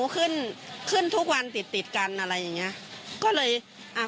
คุณเราก็ยังไม่ขึ้นราคาใช่ไหมครับ